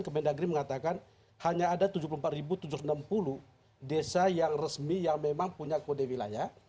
kemendagri mengatakan hanya ada tujuh puluh empat tujuh ratus enam puluh desa yang resmi yang memang punya kode wilayah